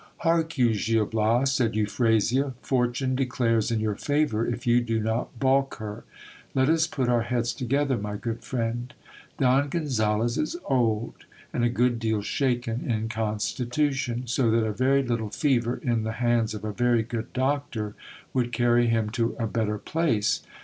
Hark you, Gil Bias, said Euphrasia, fortune declares in your favour if you do not balk her. Let us put our heads together, my good friend. Don Gonzales is old, and a good deal shaken in constitution ; so that a very little fever, in the hands of a very great doctor, would carry him to a better place.